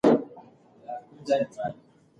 څېړونکی باید د موضوع مخینه په پام کي ونیسي.